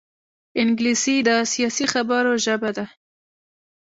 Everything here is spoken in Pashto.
انګلیسي د سیاسي خبرو ژبه ده